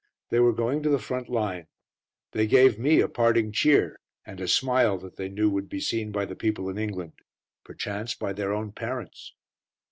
They were going to the front line. They gave me a parting cheer, and a smile that they knew would be seen by the people in England perchance by their own parents.